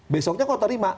besoknya kok terima